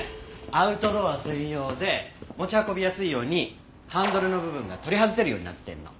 アウトドア専用で持ち運びやすいようにハンドルの部分が取り外せるようになってるの。